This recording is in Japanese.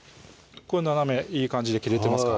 斜めいい感じで切れてますか？